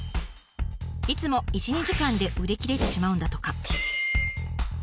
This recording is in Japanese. いつも１２時間で売り切れてしまうんだとか。